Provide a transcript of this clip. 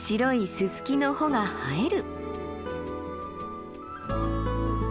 ススキの穂が映える。